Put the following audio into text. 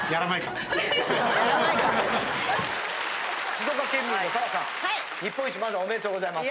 静岡県民の砂羽さん日本一まずはおめでとうございます。